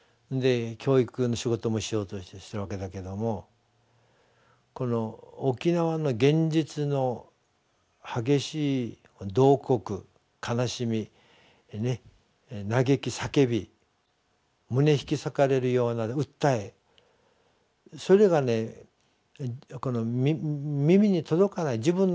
教育の仕事もしようとしてるわけだけどもこの沖縄の現実の激しい慟哭悲しみ嘆き叫び胸引き裂かれるような訴えそれがねこの耳に届かない。